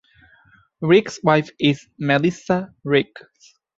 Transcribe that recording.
Ricks wife is Melissa Ricks.